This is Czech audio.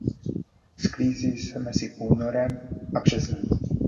Sklízí se mezi únorem a březnem.